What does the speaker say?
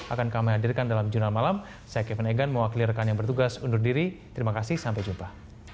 akan kami hadirkan dalam jurnal malam saya kevin egan mewakili rekan yang bertugas undur diri terima kasih sampai jumpa